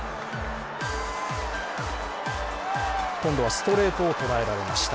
今度はストレートを捉えられました。